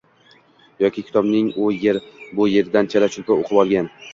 yoki kitobning u yer-bu yeridan chala-chulpa o‘qib olgan